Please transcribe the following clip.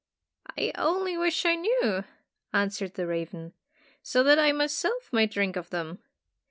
"I only wish I knew!" answered the raven, "so that I myself might drink of them.